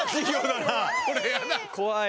怖い！